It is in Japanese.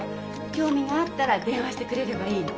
興味があったら電話してくれればいいの。